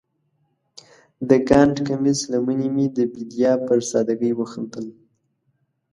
د ګنډ کمیس لمنې مې د بیدیا پر سادګۍ وخندل